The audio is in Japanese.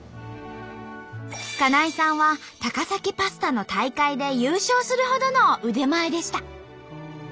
金井さんは高崎パスタの大会で優勝するほどの腕前でした。